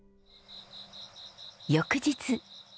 翌日。